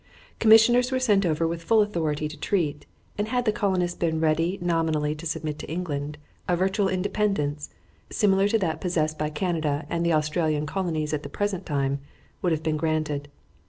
Commissioners were sent over with full authority to treat, and had the colonists been ready nominally to submit to England, a virtual independence, similar to that possessed by Canada and the Australian colonies at the present time, would have been granted.